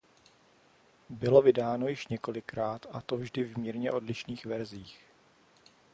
Bylo vydáno již několikrát a to vždy v mírně odlišných verzích.